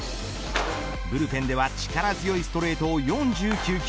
ブルペンでは力強いストレートを４９球。